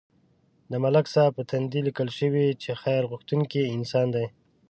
د ملک صاحب په تندي لیکل شوي چې خیر غوښتونکی انسان دی.